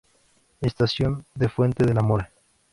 Estación de Fuente de la Mora.